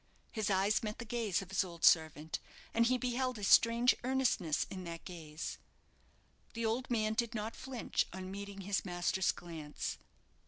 His eyes met the gaze of his old servant, and he beheld a strange earnestness in that gaze. The old man did not flinch on meeting his master's glance.